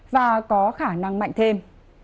và có khả năng mạnh thêm